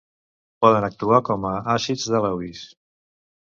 Poden actuar com a àcids de Lewis.